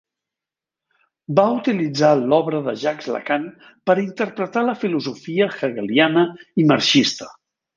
Va utilitzar l'obra de Jacques Lacan per interpretar la filosofia hegeliana i marxista.